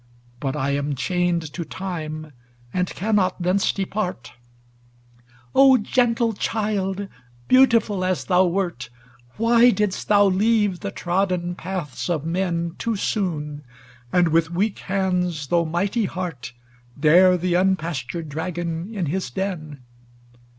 But I am chained to Time, and cannot thence depart ! XXVII * 0 gentle child, beautiful as thou wert, Why didst thou leave the trodden paths of men Too soon, and with weak hands though mighty heart Dare the unpastured dragon in his den